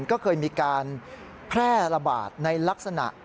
ก็เคยมีการแพร่ระบาดในลักษณะ